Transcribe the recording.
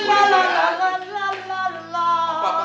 ini umi kena apa sih